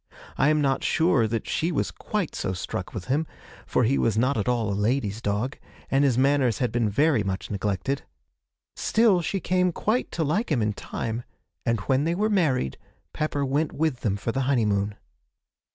I am not sure that she was quite so struck with him, for he was not at all a lady's dog, and his manners had been very much neglected. Still, she came quite to like him in time; and when they were married, Pepper went with them for the honeymoon.'